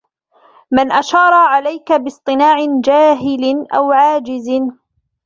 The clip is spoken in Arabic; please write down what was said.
مَنْ أَشَارَ عَلَيْك بِاصْطِنَاعِ جَاهِلٍ أَوْ عَاجِزٍ